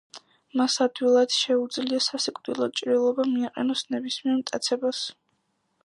მას ადვილად შეუძლია სასიკვდილო ჭრილობა მიაყენოს ნებისმიერ მტაცებელს.